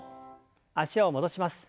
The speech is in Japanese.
脚を戻します。